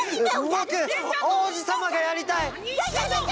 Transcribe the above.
ぼくおうじさまがやりたい！